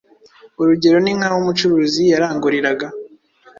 Urugero ni nkaho umucuruzi yaranguriraga